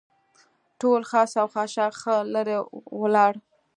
ټول خس او خاشاک ښه لرې ولاړل.